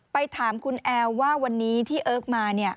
ไปถามคุณแอลว่าวันนี้ที่เอิ๊กมา